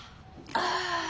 ああ。